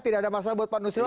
tidak ada masalah buat manusia